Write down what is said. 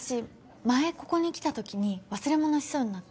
前ここに来たときに忘れ物しそうになって。